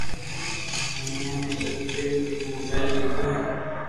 ھين اومون ۾ ايڪ دن موبائل ليدو ھين